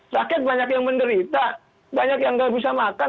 sakit banyak yang menderita banyak yang nggak bisa makan